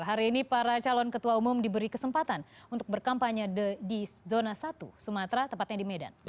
hari ini para calon ketua umum diberi kesempatan untuk berkampanye di zona satu sumatera tepatnya di medan